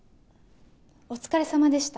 お疲れさまでした。